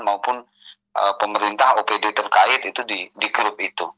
maupun pemerintah opd terkait itu di grup itu